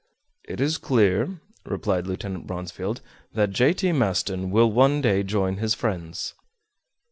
"It is clear," replied Lieutenant Bronsfield, "that J. T. Maston will one day join his friends."